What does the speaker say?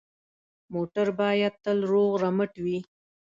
موټر باید تل روغ رمټ وي.